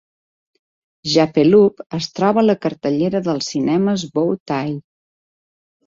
"Jappeloup" es troba a la cartellera dels cinemes Bow Tie